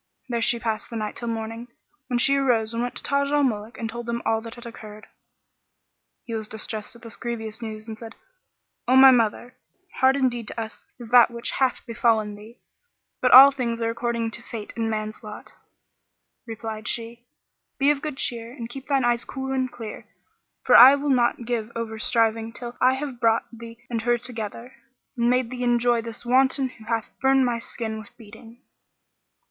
There she passed the night till morning, when she arose and went to Taj al Muluk and told them all that had occurred. He was distressed at this grievous news and said, "O my mother, hard indeed to us is that which hath befallen thee, but all things are according to fate and man's lot." Replied she, "Be of good cheer and keep thine eyes cool and clear, for I will not give over striving till I have brought thee and her together, and made thee enjoy this wanton who hath burnt my skin with beating."